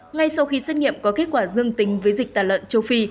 ngay sau khi xét nghiệm có kết quả dương tính với dịch tả lợn châu phi